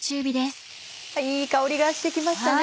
いい香りがして来ましたね。